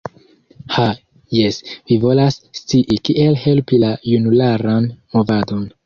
Ha, jes, vi volas scii kiel helpi la junularan movadon.